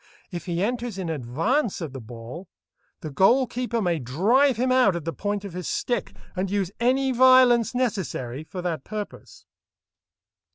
If he enters in advance of the ball, the goal keeper may drive him out at the point of his stick, and use any violence necessary for that purpose.